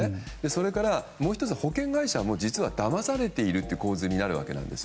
それから、もう１つ保険会社も実は騙されているという構図になるわけです。